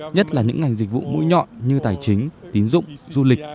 nhất là những ngành dịch vụ mũi nhọn như tài chính tín dụng du lịch